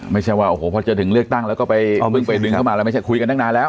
ไม่ใช่ว่าพอจะถึงเลือกตั้งแล้วเราก็ไปเข้ามือเข้ามาแล้วไม่ใช่นานหนาแล้ว